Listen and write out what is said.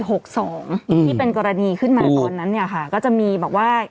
หกสองอืมที่เป็นกรณีขึ้นมาตอนนั้นเนี่ยค่ะก็จะมีแบบว่า